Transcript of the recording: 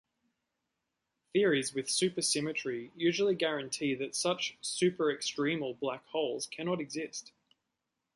Theories with supersymmetry usually guarantee that such "superextremal" black holes cannot exist.